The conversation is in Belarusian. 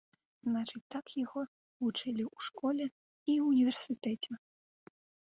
Значыць, так яго вучылі ў школе і ўніверсітэце.